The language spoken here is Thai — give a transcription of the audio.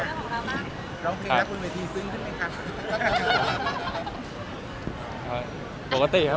ร้องเพลงแล้วคุณเวทีซึ้งขึ้นไหมครับ